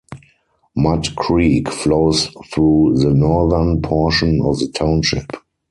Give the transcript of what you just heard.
Mud Creek flows through the northern portion of the township.